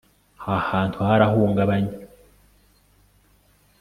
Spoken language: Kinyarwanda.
Aha hantu harahungabanye